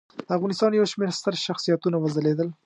د افغانستان یو شمېر ستر شخصیتونه وځلیدل.